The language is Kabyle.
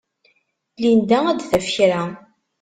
Linda ad d-taf kra.